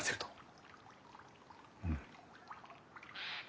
うん。